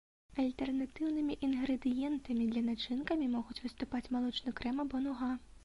Альтэрнатыўнымі інгрэдыентамі для начынкамі могуць выступаць малочны крэм або нуга.